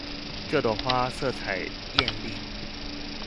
這朵花色彩豔麗